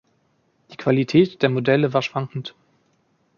Die Qualität der Modelle war schwankend.